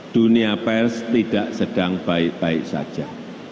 dunia pers tidak sedang baik baik saja